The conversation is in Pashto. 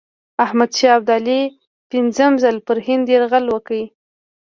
احمدشاه ابدالي پنځم ځل پر هند یرغل وکړ.